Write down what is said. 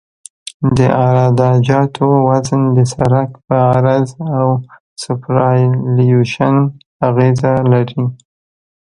د عراده جاتو وزن د سرک په عرض او سوپرایلیویشن اغیزه لري